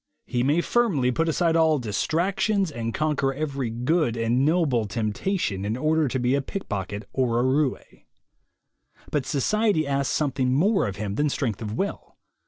He may firmly put aside all distractions and conquer every good and noble temptation, in order to be a pickpocket or a roue. But society asks something more of him than strength of will.